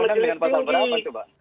yang kedua pasal majelis tinggi